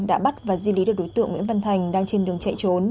đã bắt và di lý được đối tượng nguyễn văn thành đang trên đường chạy trốn